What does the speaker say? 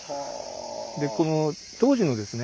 でこの当時のですね